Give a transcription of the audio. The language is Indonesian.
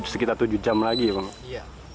ya harus menunggu tujuh jam lagi